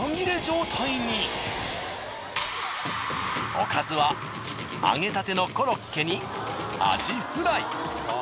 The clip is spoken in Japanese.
おかずは揚げたてのコロッケにアジフライ。